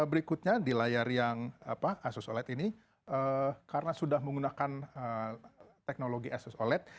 berikutnya di layar yang asus oled ini karena sudah menggunakan teknologi asus oled